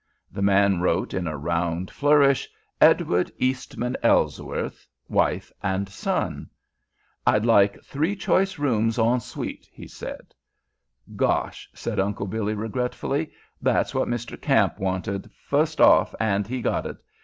The man wrote, in a round flourish, "Edward Eastman Ellsworth, wife, and son." "I'd like three choice rooms, en suite," he said. "Gosh!" said Uncle Billy, regretfully. "That's what Mr. Kamp wanted, fust off, an' he got it.